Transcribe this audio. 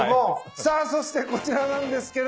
さあそしてこちらなんですけれども。